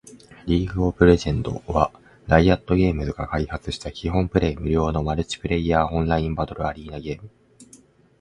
リーグ・オブ・レジェンド』（League of Legends、略称: LoL（ ロル））は、ライアットゲームズが開発した基本プレイ無料のマルチプレイヤーオンラインバトルアリーナゲーム